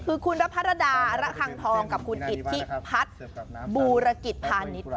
คือคุณระภารดาระฆังทองกับคุณอิสฯิพักษ์บุรกิจผ่านนิด